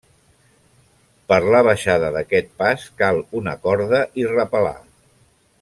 Per la baixada d'aquest pas cal una corda i rapelar.